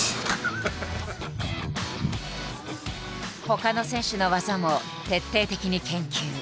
ほかの選手の技も徹底的に研究。